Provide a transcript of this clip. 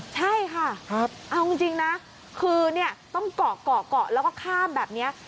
ต้องเกาะแล้วก็ข้ามแบบนี้